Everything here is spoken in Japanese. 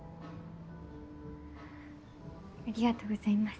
ありがとうございます。